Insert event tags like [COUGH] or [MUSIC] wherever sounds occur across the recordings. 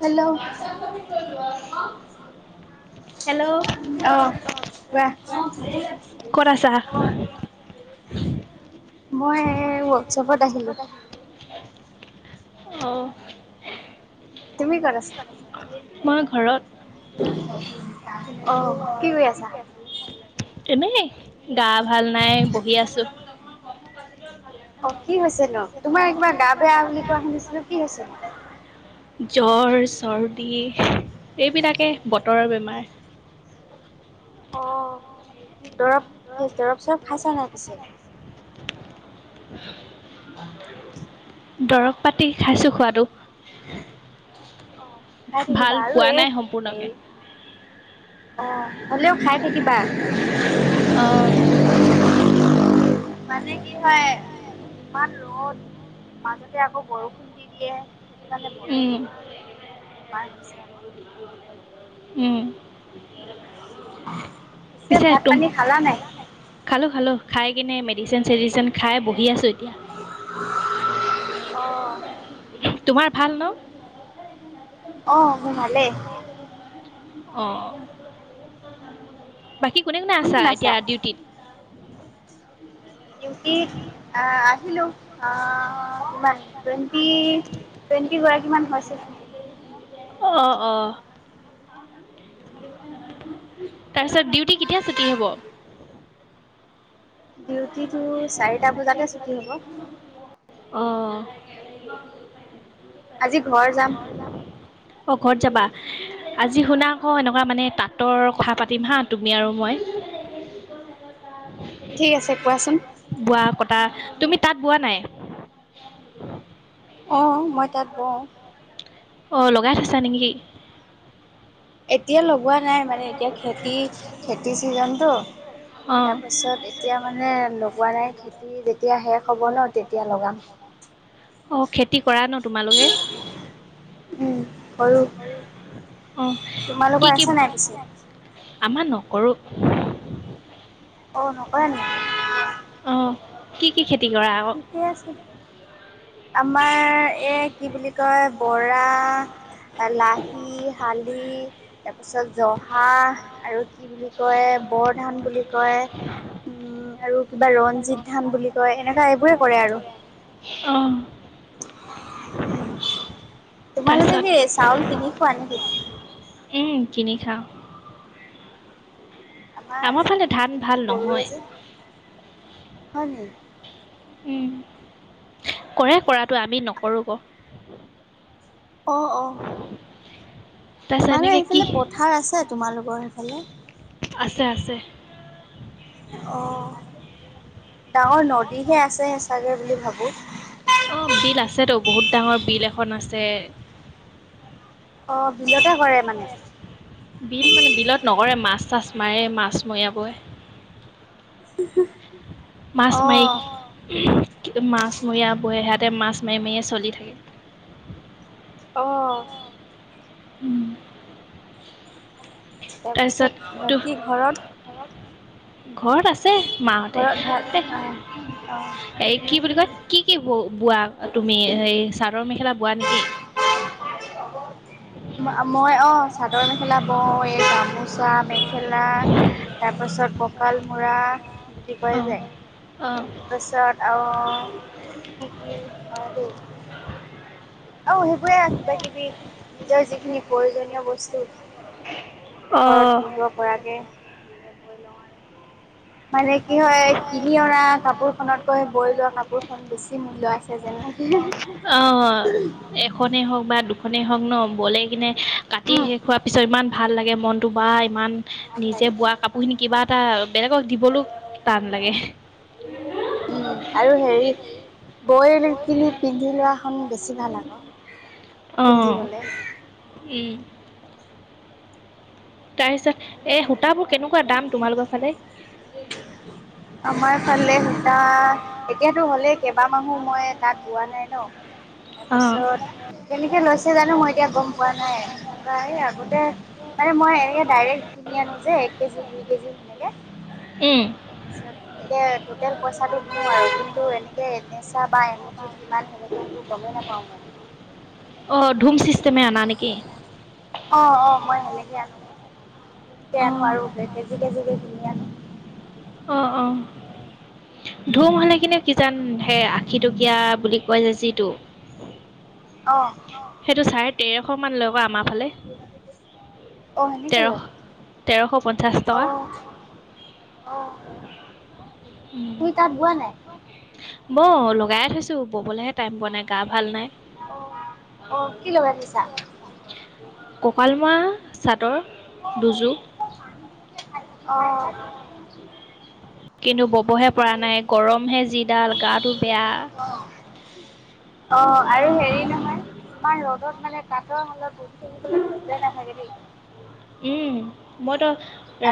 Hello? Hello অ' কোৱা? অ', ভালে লাগিছিলে। ক'ত আছা? মই হোৱাটছপত আহিলোঁ। অ'। [INAUDIBLE] অ', কি কৰি আছা? এনে, গা ভাল নাই বহি আছোঁ। [UNINTELLIGIBLE] অ', কি হৈছে নু, তোমাৰ কিবা গা বেয়া বুলি কোৱা শুনিছিলো কি হৈছে নো? জ্বৰ, চৰ্দি এইবিলাকে বতৰৰ বেমাৰ। দৰব-দৰব চৰব খাইছা নাই পিছে? [UNINTELLIGIBLE] দৰৱ পাতি খাইছোঁ খোৱাটো। ভাল পোৱা নাই সম্পূৰ্ণকে। অ', হলেও খাই থাকিবা। [INAUDIBLE] [UNINTELLIGIBLE] মানে কি হয় ইমান ৰ'দ, মাজতে আকৌ বৰষুণ দি দিয়ে সেইটো কাৰণে উম। মানে বেমাৰ হৈছে আকৌ। উম। পিছে ভাত পানী খালা নাই? খালোঁ-খালোঁ, খাই কিনে মেডিচিন চেডিচিন খাই বহি আছোঁ এতিয়া। [INAUDIBLE] [UNINTELLIGIBLE] তোমাৰ ভাল ন? অ', মুৰ ভালে। অ', বাকী কোনে-কোনে আছা এতিয়া ডিউটিত? ডিউটিত আহ আহিলোঁ, আ কিমান টুৱেণ্টি-টুৱেণ্টি গৰাকীমান হৈছে। অ', অ'। তাৰপিছত ডিউটি কেতিয়া ছুটি হব? ডিউটিটো চাৰিটা বজাটে ছুটি হ'ব। অ, আজি ঘৰ যাম অ ঘৰত যাবা আজি শুনা ক এনেকুৱা মানে তাঁতৰ কথা পাতিম হা তুমি আৰু মই ঠিক আছে কোৱাচোন, বোৱা কটা তুমি তাত বোৱা নাই? অ মই মই তাত বও, অ লগাই থৈছা নেকি? এতিয়া লগোৱা নাই মানে এতিয়া খেতি খেতি ছিজনটো তাৰপাছত এতিয়া মানে লগোৱা নাই খেতি যেতিয়া শেষ হ'ব ন তেতিয়া লগাম অ খেতি কৰা ন তোমালোকে উম কৰো অ কি কি, তোমালোকৰ আছে নাই পিছে, আমাৰ নকৰোঁ। অ নকয় নি? অ কি কি খেতি কৰা আকৌ? থিকে আছে, আমাৰ এই কি বুলি কয় - হয় বৰা লাহি, শালি, তাৰপিছত জহা আৰু কি বুলি কয় বৰধান বুলি কয়। উম আৰু কিবা ৰঞ্জিত ধান বুলি কয় এনেকুৱা এইবোৰে কৰে আৰু অ তোমালোকে কি চাউল কিনি খোৱা নেকি? কিনি খাওঁ আমাৰ ফালে ধান ভাল নহয় হয় নে উম কৰে কৰাটো আমি নকৰো ক অ অ মানে সেইফালে পথাৰ আছে তোমালোকৰ সেইফালে আছে আছে অ ডাঙৰ নদীহে আছেচাগে বুলি ভাবো অ বিল আছেতো বহুত ডাঙৰ বিল এখন আছে অ বিলতে কৰে মানে বিল মানে বিলত নকৰে মাছ চাছ মাৰে মাছ মৰিয়াবোৰ উম হু মাছ মাৰি অ কিন্তু মাছমৰীয়া বোৰে সেয়াতে মাছ মাৰি মাৰিয়ে চলি থাকে অ উম তাৰপিছত বাকী ঘৰত ঘৰত আছে মাহতে এ এ কি বুলি কয় কি কি ব বোৱা তুমি এই চাদৰ মেখেলা বোৱা নেকি মই অ চাদৰ মেখেলা বওঁ এই গামোচা মে খেলা তাৰপাছত কঁকাল মৰা অ অ তাৰপিছত আও কি কি হয় দেই আহ সেইবোৰে আৰু কিবা কিবি নিজৰ যিখিনি প্ৰয়োজনীয় বস্তু ঘৰত পিন্ধিব পৰাকে এনেকে বৈ লওঁ আৰু মানে কি হয় কিনি অনা কাপোৰখনতকৈ বৈ লোৱা কাপোৰখন বেছি মূল্য আছে যেনেকে এখনেই হওক বা দুখনেই হওক ন বলেই কিনে কাটি শেষ হোৱাৰ পিছত ইমান ভাল লাগে মনটো বা ইমান নিজে বোৱা কাপোৰখিনি কিবা এটা বেলেগক দিবলো টান লাগে। উম আৰু হেৰি বৈ কিনি পিন্ধি লোৱা খন বেছি ভাল আক পিন্ধিবলৈ। উম। তাৰপিছত এ সূতাবোৰ আমাৰ ফালে সূতা এতিয়াতো হলেই কেইবামাহো মই তাত বোৱা নাই ন তাৰপাছত কেনেকে নাচ তে জানো মই এতিয়া গম পোৱা নাই? ত আগতে মানে মই এনেকে ডাইৰেক্ট কিনি আনো যে দুই দুই কেজি ধুনীয়াকে। তাৰপিছতে টটেল পইচাটো দিওঁ আৰু কিন্তু এনে দে নচা বা এমুঠিত কিমান সেনেকে সেইটো গমেই নাপাওঁ মই। অঁ ধোম চিষ্টেমে আনা নেকি? অ অ মই সেনেকে আনো, সেনেকে আনো আৰু কেজি কেজিকে কিনি আনো। অঁ অঁ। ধুম হলে কিনে কিজান সেই আশী টকীয়া বুলি কৈ যে যিটো অ। সেইটো চাৰে তেৰশ মান লৈক আমাৰ ফালে। তেৰ তেৰশ পঞ্চাশ টকা। অ। মই লগাই থৈছো ববলেহে টাইম পোৱা নাই গা ভাল নাই। অ অ কি লগাই থৈছা? কঁকাল মৰা চাদৰ দুযোৰ। অ। কিন্তু ব'বহে পৰা নাই গৰমহে যিডাল গাটো বেয়া। অ অ আৰু হেৰি নহয় তোমাৰ ৰ'দত মানে কতৰ শালত বহুত কিন গলে ধৈৰ্যই নাথাকে দেই। উম মইত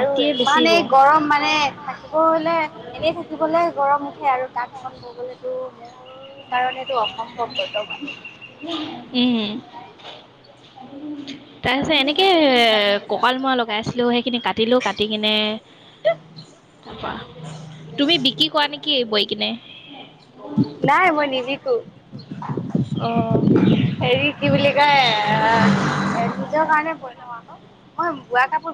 আৰু ইমানেই গৰম মানে থাকিব। বলে এনেই থাকিবলে গৰম উঠে আৰু তাঁত খ বব ত মোৰ কাৰণেটো অসম্ভৱ বৰ্তমান। উমহু। তাৰপিছত এনেকৈ কঁকালমৰা লগাইছিলোঁ সেইখিনি কাটিলোঁ। কাটি কেনে তাৰপা তুমি বিক্ৰী কৰা নেকি বৈ কিনে? নাই মই নিজিকো। অ। কি বুলি কয় এ নিজৰ কাৰণে বৈ লওঁ আকৌ মই বোৱা কাপোৰ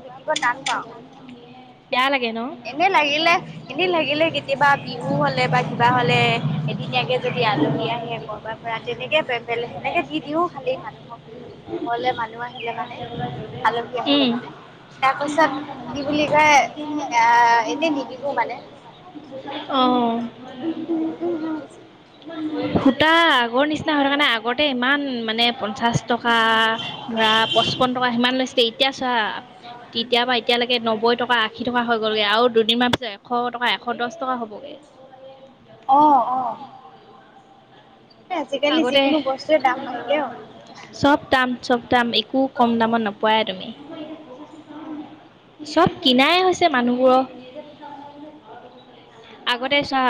পিয়া লাগে ন। এনেই লাগিলে এনেই লাগিলে কেতিয়াবা বিহু হলে বা কিবা হলে এদিনীয়াকে যদি আলহী আহে কৰ'বাত পৰা তেনেকেলে সেনেকে দি দিও খালি মানুহক ঘৰলে মানুহ আহিলে মানে আলহী আহিলে মানে [UNINTELLIGIBLE] আ এনেই নিবিকো মানে। অ ভূ টা আগৰ নিচিনা হৈ থকা নাই আগতে ইমান মানে পঞ্চাছ টকা ধৰা পঁচপন টকা ধৰা সিমান লৈছিলে এতিয়া চোৱা তেতিয়া পৰা এতিয়ালৈকে নব্বৈ টকা, আশী টকা হৈ গ'লগৈ আৰু দুদিনমান পিছত এশ টকা এশ দছ টকা হ'বগে। অ অ আজিকালি যিকোনো বস্তুৰে দাম বাঢ়িলে অ। চব দাম চব দাম একো কম দামত নপোৱাই তুমি? চব কিনাই হৈছে মানুহবোৰৰ। আগতেই চোৱা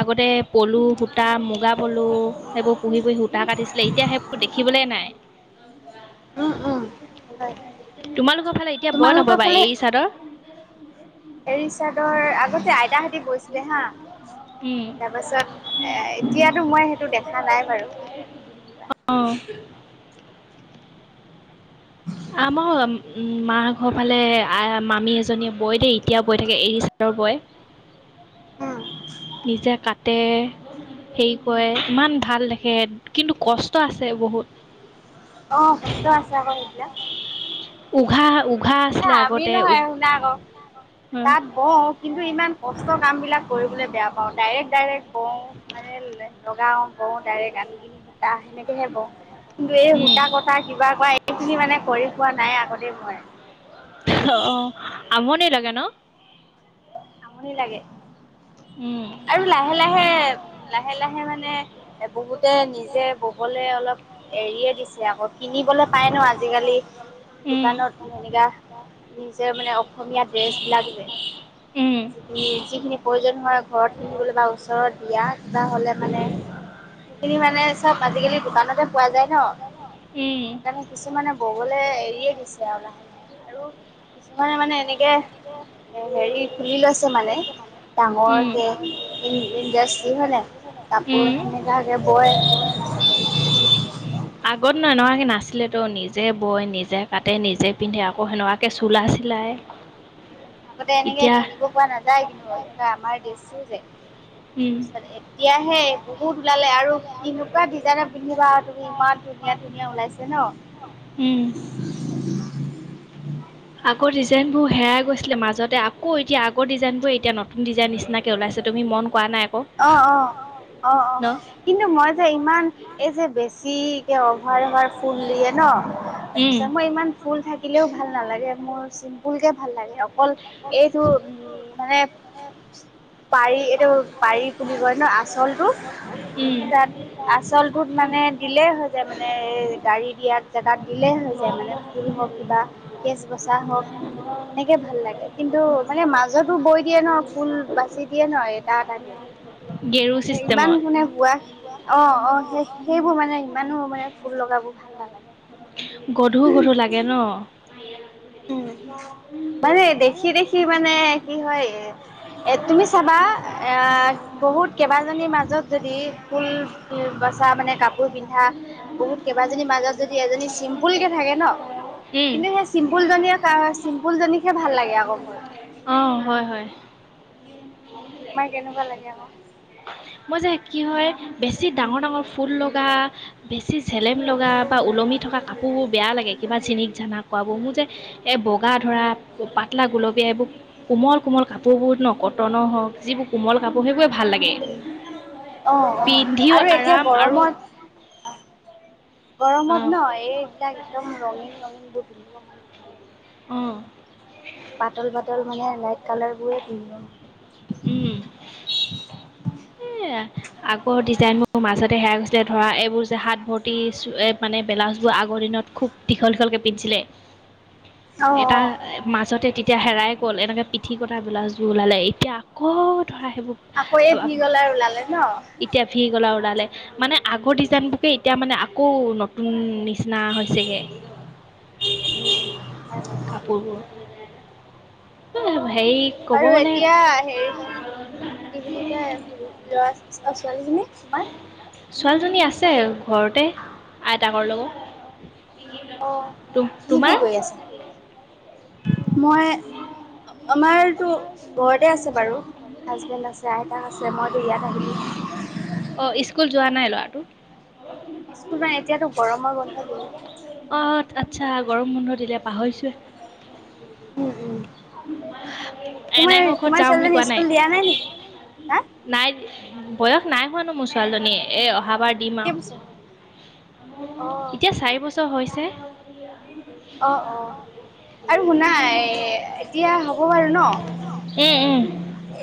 আগতে পলু সূতা, মুগা পলু সেইবোৰ পুহি পুহি সূতা কাটিছিলে এতিয়া সেইবোৰ দেখিবলৈ নাই। [UNINTELLIGIBLE] তোমালোকৰ ফালে এতিয়া বয় নববা এই চাদৰ? এৰি চাদৰ আগতে আইতাহঁতে বৈ- ছিলে হা তাৰপাছত এ এতিয়া কিন্তু মই সেইটো দেখা নাই বাৰু। [INAUDIBLE] আম মা ঘৰ ফালে আ মামী এজনীয়ে বয় দেই এতিয়া বৈ থাকে এৰি চাদৰ বয়। উম। নিজে কাটে সেই কয় ইমান ভাল দেখে কিন্তু কষ্ট আছে বহুত। অ কষ্ট আছে আক এইবিলাক। উঘা উ- এ আমি নহয় শুনা আক তাত ব কিন্তু ইমান কষ্ট কাম বিলাক কৰিবলৈ বেয়া পাওঁ ডাইৰেক্ট ডাইৰেক্ট বওঁ মানে লগাও বওঁ ডাইৰেক্ট আমি কিনি সূতা সেনেক- হে ব কিন্তু এই সূতা কটা কিবা কৰা এইখিনি মানে কৰি পোৱা নাই আগ দেই মই। অ অ আমনি লাগে ন। আমনি লাগে আৰু লাহে লাহে লাহে লাহে মানে এ বহুতে নিজে ববলে অলপ এৰিয়ে দিছে আগত। কিনিবলে পাই ন আজিকালি দোকানত সেনেকা নিজে মানে অসমীয়া ড্ৰেছ বিলাক যে। উম। উম, যিখিনি প্ৰয়োজন হয় ঘৰত পিন্ধিবলে বা ওচৰত বিয়া কিবা হ'লে মানে খিনি মানে চব আজিকালি দোকানতে পোৱা যায় ন। উম। সেইকাণে কিছুমানে ববলে এৰিয়ে দিছে আও লাহে লাহে আৰু কিছুমানে মানে এনেকে এ হেৰি খুলি লৈছে মানে ডাঙৰকে ইণ্ডাষ্ট্ৰি হয় নাই? কাপোৰ সেনেকাকে বয়। [INAUDIBLE] আগত ন এনেকাকে নাছিল ত নিজে বয়, নিজে কাটে, নিজে পিন্ধে আকৌ সেনেকুৱাকে চোলা চিলাই। আগতে এনেকে কিনিব পোৱা নাযায় কিন্তু এনেকুৱা আমাৰ ড্ৰেছটোৰ যে। তাৰপিছত এতিয়াহে বহুত ওলালে আৰু কেনেকুৱা ডিজাইনৰ পিন্ধিবা আৰু তুমি ইমান ধুন- ধুনীয়া ধুনীয়া ওলাইছে ন। উম। আগৰ ডিজাইনবোৰ হেৰাই গৈছিলে মাজতে আকৌ এতিয়া আগৰ ডিজাইনবোৰে এতিয়া নতুন ডিজাইন নিচিনাকে কে ওলাইছে, তুমি মন কৰা নাই ক? অ অ অ অ কিন্তু মই যে ইমান এই যে বেছিকে অভাৰ অভাৰ ফুল দিয়ে ন তাৰপিছত মই ইমান ফুল থাকিলেও ভাল নালাগে, মোৰ চিম্পুলকে ভাল লাগে। অক- অকল এইটো উম মানে পাৰি এইটো পাৰি বুলি কয় ন আচলটো, তাত আচলটোত মানে দিলে যে মানে এ গাড়ী দিয়াত জেগাত দিলেই হৈ যায় মানে ফুল হওক কিবা কেচ [UNINTELLIGIBLE] কে ভাল লাগে কিন্তু মানে মাজতো বৈ দিয়ে ন ফুল বাচি দিয়ে ন এটা টা দে ইমান কোনে বোৱা অ অ সেই সেইবোৰ মানে ইমানো মানে ফুল লগাবোৰ ভাল নালাগে। গধুৰ গধুৰ লাগে ন। উম মানে দেখি দেখি মানে কি হয় এ তুমি চাবা এ বহুত কেইবাজনীৰ মাজত যদি ফুল বচা মানে কাপোৰ পিন্ধা বহুত কেইবাজনীৰ মাজত যদি এজনী চিম্পুল কে থাকে ন কিন্তু সেই চিম্প পুল জনীয়ে কা চিম্পুল জনীক হে ভাল লাগে আকৌ মোৰ অ হয় হয় মই যে কি হয় বেছি ডাঙৰ ডাঙৰ ফুল লগা বেছি চেলেম লগা বা ওলমি থকা কাপোৰবোৰ বেয়া লাগে কিবা জিনিক জানাক কোৱাবোৰ মোৰ যে এই বগা ধৰা পাতলা গুলপীয়া এইবোৰ কোমল কোমল কাপোৰবোৰ ন কটনৰ হওক যিবোৰ কোমল কাপোৰ সেইবোৰে ভাল লাগে, পিন্ধিও আৰাম আৰু গৰমত ন এইবিলাক একদম ৰঙীন-ৰঙীন বোৰ পিন্ধিব মন নাই উ পাতল পাতল মানে লাইট কালাৰ বোৰে পিন্ধো উম, সেইয়া আগৰ ডিজাইনবোৰ মাজতে হেৰাই গৈছিলে ধৰা এইবোৰ যে হাত ভৰ্তি মানে ব্লাউজবোৰ আগৰ দিনত খুব দীঘল দীঘলকে পিন্ধছিলে এটা মাজতে তেতিয়া হেৰাই গ'ল এনেকে পি পিঠি কতা ব্লাউজবোৰ ওলালে এতিয়া আকৌ ধৰা সেইবোৰ আকৌ এই ভি গলাৰ ওলালে ন এতিয়া ভি গ'লা ওলালে মানে আগৰ ডিজাইন বোৰকে এতিয়া মানে আকৌ নতুন নিচিনা হৈছেগে [UNINTELLIGIBLE] কাপোৰবোৰ এ হেৰি আৰু এতিয়া হেৰি কি বুলি কয় ল'ৰা ছোৱালী খিনি কিমান ছোৱালীজনী আছে আৰু ঘৰতে আইতাকৰ লগত তো তোমাৰ মই আমাৰতো ঘৰতে আছে বাৰু হাজবেণ্ড আছে আইতা আছে মইতো ইয়াত আহিলো অ স্কুল যোৱা নাই ল'ৰাটো স্কুল নাই এতিয়াতো গৰমৰ বন্ধ দিলে অ অ আচ্ছা আচ্ছা গৰম বন্ধ দিলে পাহৰিছোৱে উম উম তোমাৰ তোমাৰ ছোৱালীজনী স্কুল দিয়া নাই নি নাই বয়স নাই হোৱা নো মোৰ ছোৱালীজনী এ অহাবাৰ দিম আও এতিয়া চাৰি বছৰ হৈছে অ অ আৰু শুনা এ তিয়া হ'ব বাৰু ন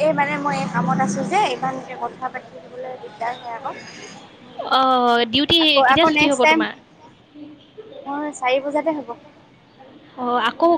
এই মানে মই এই কামত আছো যে ইমানকে কথা পাতি থাকিবলৈ দিগদাৰ হয় আকৌ অ ডিউটি কেতিয়া ছুটি হ'ব তোমাৰ চাৰি বজাতে হ'ব অ আকৌ কি